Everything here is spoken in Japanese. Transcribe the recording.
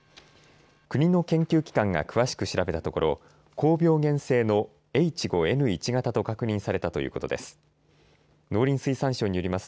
国の研究機関が詳しく調べたところ高病原性のＨ５Ｎ１型と確認されたということです。